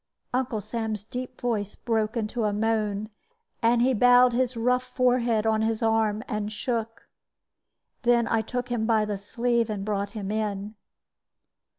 Uncle Sam's deep voice broke into a moan, and he bowed his rough forehead on his arm, and shook. Then I took him by the sleeve and brought him in.